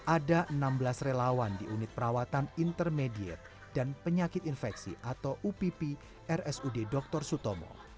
ada enam belas relawan di unit perawatan intermediate dan penyakit infeksi atau upp rsud dr sutomo